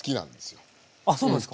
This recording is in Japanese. あっそうなんですか？